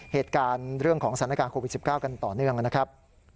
เหตุการณ์เรื่องของสถานการณ์โควิด๑๙กันต่อเนื่องนะครับ